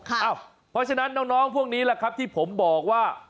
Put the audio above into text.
เพราะฉะนั้นน้องพวกนี้แหละครับที่ผมบอกว่า